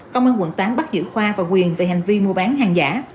công an quận tám bắt giữ khoa và quyền về hành vi mua bán hàng giả